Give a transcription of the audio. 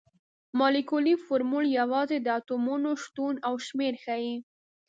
مالیکولي فورمول یوازې د اتومونو شتون او شمیر ښيي.